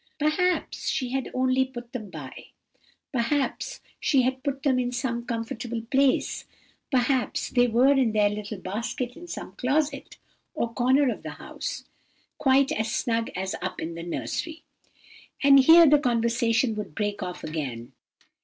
"Perhaps she had only put them by; perhaps she had put them by in some comfortable place; perhaps they were in their little basket in some closet, or corner of the house, quite as snug as up in the nursery. "And here the conversation would break off again.